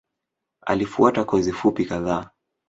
Alifuata kozi fupi kadhaa.